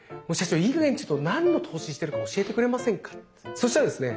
そしたらですね